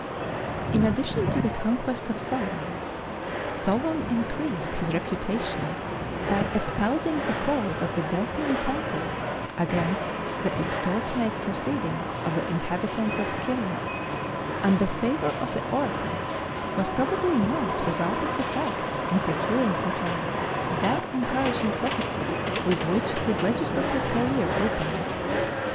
In addition to the conquest of Salamis, Solon increased his reputation by espousing the cause of the Delphian temple against the extortionate proceedings of the inhabitants of Cirrha, and the favor of the oracle was probably not without its effect in procuring for him that encouraging prophecy with which his legislative career opened.